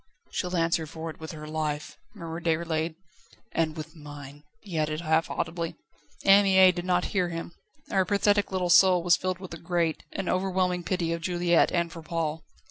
"She'll answer for it with her life," murmured Déroulède. "And with mine!" he added half audibly. Anne Mie did not hear him; her pathetic little soul was filled with a great, an overwhelming pity of Juliette and for Paul.